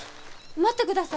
待ってください。